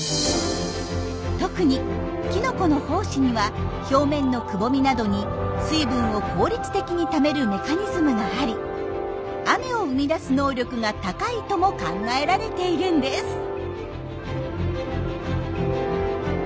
特にキノコの胞子には表面のくぼみなどに水分を効率的にためるメカニズムがあり雨を生み出す能力が高いとも考えられているんです。